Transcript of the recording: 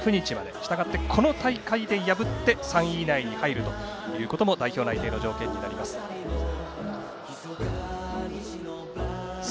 したがって、この大会で破って３位以内に入るということも代表内定の条件となります。